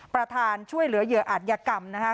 ประธานช่วยเหลือเหยื่ออัธยกรรมนะคะ